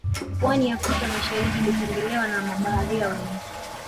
Pwani ya afrika ya masharikii ilitembelewa na mabaharia wengi